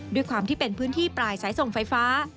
ด้วยความที่เป็นพื้นที่ปลายสายส่งไฟฟ้า